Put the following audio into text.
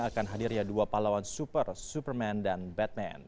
akan hadirnya dua pahlawan super superman dan batman